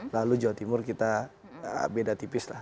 lalu jawa timur kita beda tipis lah